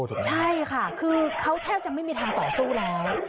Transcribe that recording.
ใช่ค่ะคือเขาแทบจะไม่มีทางต่อสู้แล้ว